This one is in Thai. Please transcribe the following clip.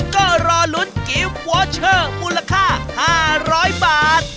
ก็รอลุ้นกิฟต์วอเชอร์มูลค่า๕๐๐บาท